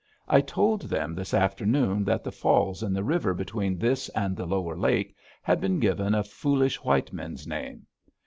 I told them this afternoon that the falls in the river between this and the lower lake had been given a foolish white men's name.